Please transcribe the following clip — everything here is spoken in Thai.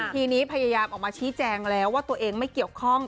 ทีนี้พยายามออกมาชี้แจงแล้วว่าตัวเองไม่เกี่ยวข้อง